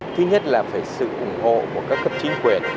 thứ nhất là phải sự ủng hộ của các cấp chính quyền